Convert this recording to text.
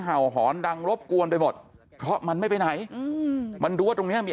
เห่าหอนดังรบกวนไปหมดเพราะมันไม่ไปไหนอืมมันรู้ว่าตรงเนี้ยมี